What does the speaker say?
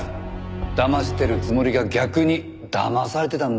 だましてるつもりが逆にだまされてたんだよ。